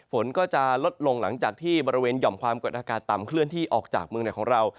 ฝนก็จะลดลงหลังจากที่บริเวณหย่อมความกดอากาศต่ำเคลื่อนที่ออกจากเมืองไหนของเรา